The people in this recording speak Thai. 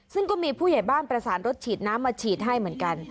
ซึ่งก็มีผู้ใหญ่บ้านประสานรถฉีดน้ำมาฉีดให้เหมือนกัน